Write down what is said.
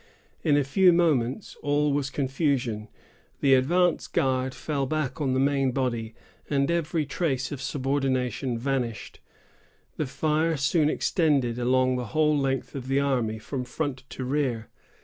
In a few moments, all was confusion. The advance guard fell back on the main body, and every trace of subordination vanished. The fire soon extended along the whole length of the army, from front to rear.